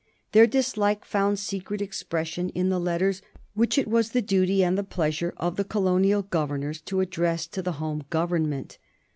Their dislike found secret expression in the letters which it was the duty and the pleasure of the colonial governors to address to the Home Government.